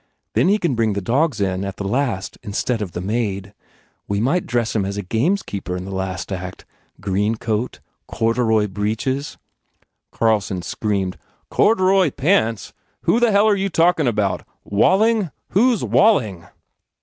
Then he can bring the dogs in at the last, instead of the maid. We might dress him as a gamekeeper in the last act. Green coat, corduroy breeches " 15 THE FAIR REWARDS Carlson screamed, "Cord roy pants? Who the hell you talkin about? Walling? Who s Walling